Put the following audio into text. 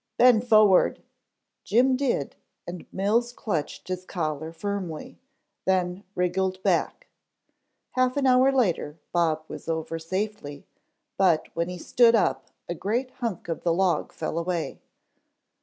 "Bend forward." Jim did and Mills clutched his collar firmly, then wriggled back. Half an hour later Bob was over safely, but when he stood up a great hunk of the log fell away.